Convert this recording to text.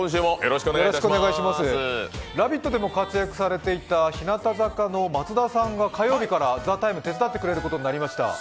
「ラヴィット！」でも活躍されていた日向坂の松田さんが火曜日から「ＴＨＥＴＩＭＥ，」を手伝ってくれることになりました。